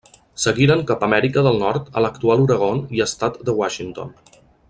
Seguiren cap Amèrica del Nord a l'actual Oregon i estat de Washington.